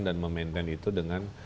dan memainkan itu dengan